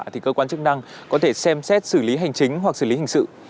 thì cơ quan chức năng có thể xem xét xử lý hành chính hoặc xử lý hình sự